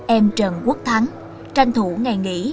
em trần quốc thắng tranh thủ ngày nghỉ